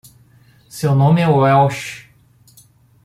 Seu nome é Welch.